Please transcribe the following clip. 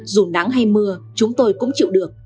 dù nắng hay mưa chúng tôi cũng chịu được